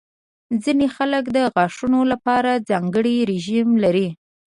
ځینې خلک د غاښونو لپاره ځانګړې رژیم لري.